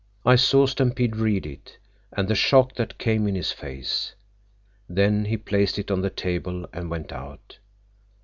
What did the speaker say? I saw Stampede read it, and the shock that came in his face. Then he placed it on the table and went out.